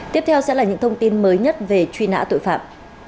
tiếp theo sẽ là những thông tin mới nhất về truy nã tội phạm